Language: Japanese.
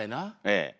ええ。